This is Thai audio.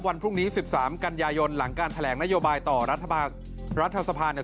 วันพรุ่งนี้๑๓กันยายนหลังการแถลงนโยบายต่อรัฐสภาเนี่ย